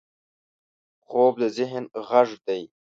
خوب د ذهن غږ دی